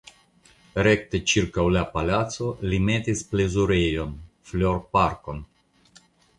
Rekte ĉirkaŭ la palaco li metis plezurejon (florparkon).